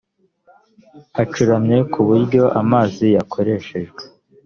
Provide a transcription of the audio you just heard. hacuramye ku buryo amazi yakoreshejwe